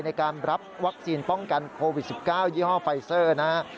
ในการรับวัคซีนป้องกันโควิด๑๙ยี่ห้อไฟเซอร์นะครับ